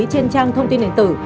trên trang thông tin nền tử